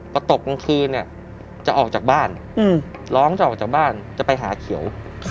พอตกกลางคืนเนี่ยจะออกจากบ้านร้องจะออกจากบ้านจะไปหาเขียว